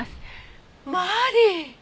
マリー！